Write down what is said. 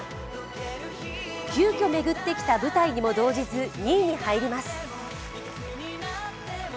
急きょ巡ってきた舞台にも動じず２位に入ります。